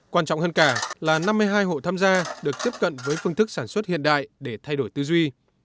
quan trọng hơn cả là năm mươi hai hộ tham gia được tiếp cận với phương thức sản xuất hiện đại để thay đổi tư duy